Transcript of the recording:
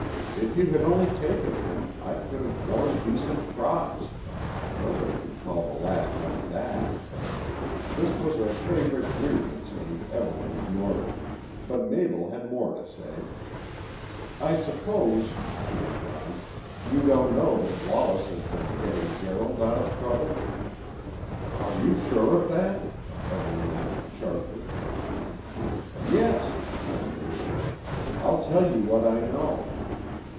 If you had only taken him I could have worn decent frocks. Nobody could call the last one that." This was a favourite grievance and Evelyn ignored it; but Mabel had more to say. "I suppose," she went on, "you don't know that Wallace has been getting Gerald out of trouble?" "Are you sure of that?" Evelyn asked sharply. "Yes," said Mabel; "I'll tell you what I know.